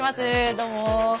どうも。